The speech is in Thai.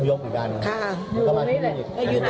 อพยพอีกด้านไหมค่ะค่ะอันนี้แหละอันนี้แหละค่ะ